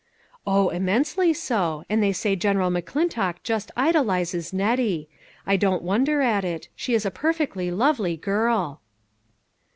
" Oil ! immensely so ; and they say General McClintock just idolizes Nettie. I don't won der at that ; she is a perfectly lovely girl."